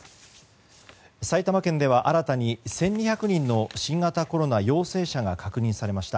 埼玉県では、新たに１２００人の新型コロナ陽性者が確認されました。